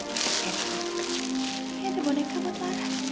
ada boneka buat lara